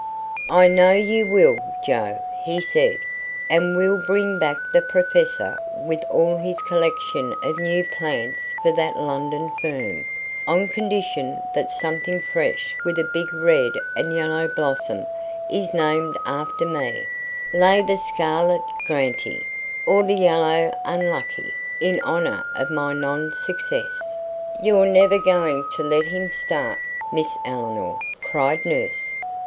"I know you will, Joe," he said. "And we'll bring back the professor with all his collection of new plants for that London firm, on condition that something fresh with a big red and yellow blossom is named after me lay the Scarlet Grantii, or the Yellow Unluckii in honour of my non success." "You're never going to let him start, Miss Eleanor?" cried nurse.